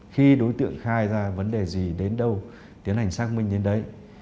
khi đối tượng khai ra vấn đề gì đến đâu tiến hành xác minh đến đấy